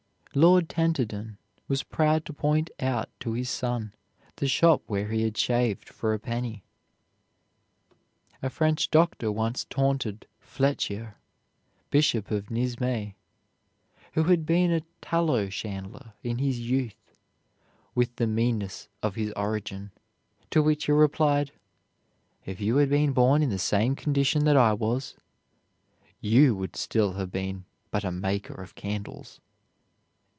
Lord Tenterden was proud to point out to his son the shop where he had shaved for a penny. A French doctor once taunted Fléchier, Bishop of Nismes, who had been a tallow chandler in his youth, with the meanness of his origin, to which he replied, "If you had been born in the same condition that I was, you would still have been but a maker of candles."